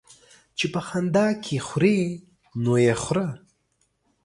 چي په خندا کې خورې ، نو يې خوره.